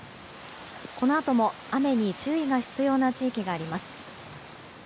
このあとも雨に注意が必要な地域があります。